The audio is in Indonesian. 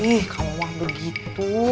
ih kamu wah begitu